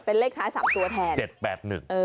เป็นเลขท้าย๓ตัวแทน๗๘๑